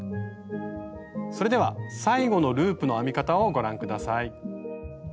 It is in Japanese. それでは最後のループの編み方をご覧下さい。